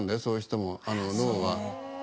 そういう人も脳は。